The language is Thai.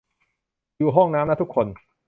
อยู่ห้องน้ำนะทุกคน